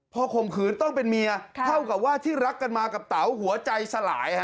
พอข่มขืนต้องเป็นเมียเท่ากับว่าที่รักกันมากับเต๋าหัวใจสลาย